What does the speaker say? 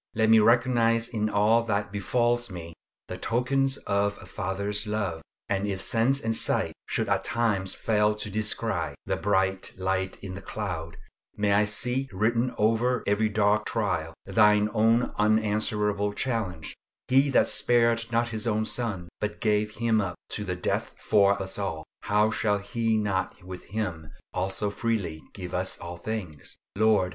Let me recognise in all that befalls me the tokens of a Father's love; and if sense and sight should at times fail to descry "the bright light in the cloud," may I see written over every dark trial Thine own unanswerable challenge, "He that spared not his own Son, but gave Him up to the death for us all, how shall He not with Him also freely give us all things?" Lord!